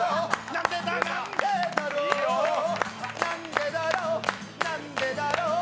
なんでだろう、なんでだろう、